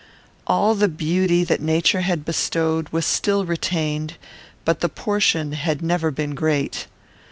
All the beauty that nature had bestowed was still retained, but the portion had never been great.